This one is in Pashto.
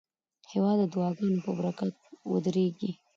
هېواد د دعاګانو په برکت ودریږي.